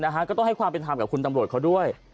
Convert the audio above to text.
ถูกต้องก็ต้องให้ความผิดทำกับคุณทำโหลดเขาด้วย